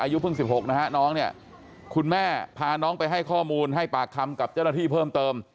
อายุเพิ่ง๑๖นะฮะน้องเนี่ยคุณแม่พาน้องไปให้ข้อมูลให้ปากคำกับเจ้าหน้าที่เพิ่มเติม